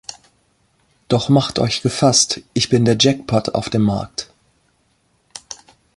Doch macht euch gefasst, ich bin der Jackpot auf dem Markt.